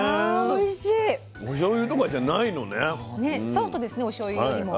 ソフトですねおしょうゆよりも。